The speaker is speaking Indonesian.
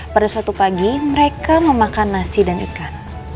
pada suatu pagi mereka memakan nasi dan ikan